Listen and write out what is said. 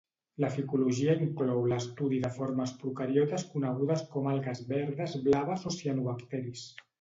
La ficologia inclou l'estudi de formes procariotes conegudes com algues verdes blaves o cianobacteris.